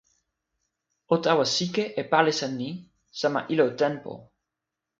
o tawa sike e palisa ni sama ilo tenpo.